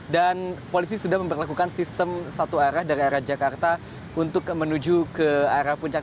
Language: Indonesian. dan polisi sudah memperlakukan sistem satu arah dari jakarta untuk menuju ke arah puncak